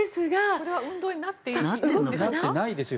これは運動になっているんですか？